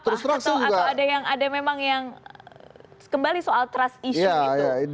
atau ada yang ada memang yang kembali soal trust issue itu